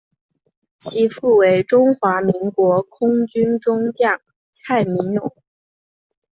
其父为中华民国空军中将蔡名永。